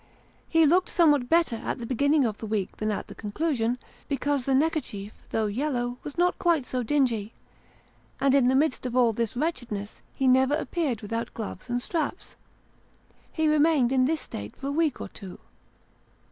He looked somewhat better at the beginning of the week than at the conclusion, because the neckerchief, though yellow, was not quite so dingy ; and, in the midst of all this wretchedness, he never appeared without gloves and straps. He remained in this state for a week or two.